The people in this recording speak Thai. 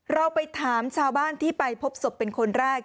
เราไปถามชาวบ้านที่ไปพบศพเป็นคนแรก